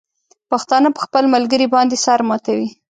پښتانه په خپل ملګري باندې سر ماتوي.